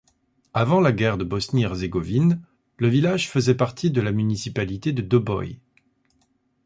Avant la guerre de Bosnie-Herzégovine, le village faisait partie de la municipalité de Doboj.